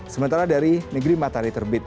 sementara dari negeri matahari terbit